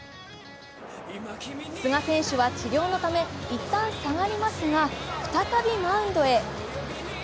寿賀選手は治療のため一旦下がりますが再びマウンドへ。